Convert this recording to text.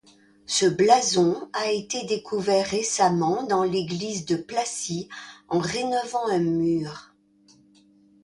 Ce blason a été découvert récemment dans l'église de Placy en rénovant un mur.